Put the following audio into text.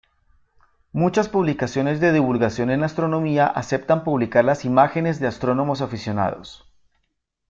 Muchas publicaciones de divulgación en astronomía aceptan publicar las imágenes de astrónomos aficionados.